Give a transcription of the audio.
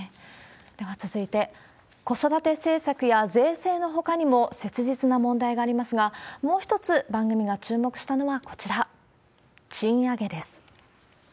では続いて、子育て政策や税制のほかにも切実な問題がありますが、もう一つ、番組が注目したのはこちら、賃上げです。